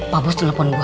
pak bos telepon gua